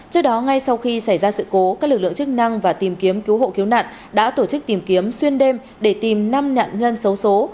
trước đó ngay sau khi xảy ra sự cố các lực lượng chức năng và tìm kiếm cứu hộ cứu nạn đã tổ chức tìm kiếm xuyên đêm để tìm năm nạn nhân xấu xố